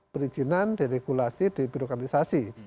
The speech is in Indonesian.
perizinan diregulasi dibirokratisasi